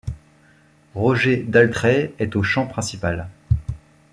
Roger Daltrey est au chant principal.